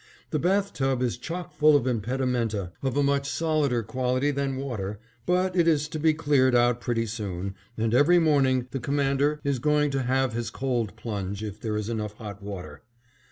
The bath tub is chock full of impedimenta of a much solider quality than water, but it is to be cleared out pretty soon, and every morning the Commander is going to have his cold plunge, if there is enough hot water.